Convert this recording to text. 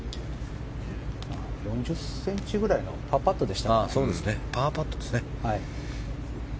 ４０ｃｍくらいのパーパットでしたね。